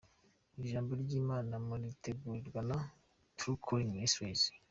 Iri jambo ry’Imana muritegurirwa na True Calling Ministries.